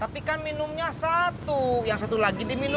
masa misalnya lah anggota kita itu